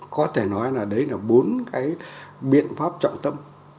có thể nói là đấy là bốn cái biện pháp trọng tâm